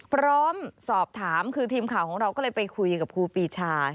พร้อมสอบถามคือทีมข่าวของเราก็เลยไปคุยกับครูปีชา